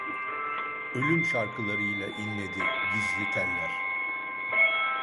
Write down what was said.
Ölüm şarkılarıyla inledi gizli teller….